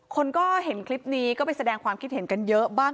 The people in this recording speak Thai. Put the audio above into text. คนก็เห็นคลิปนี้ก็ไปแสดงความคิดเห็นกันเยอะบ้าง